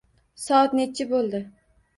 Soat necha bo`ldi